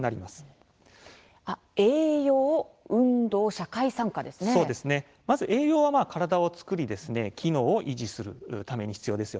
栄養、運動栄養は体を作り機能を維持するために必要です。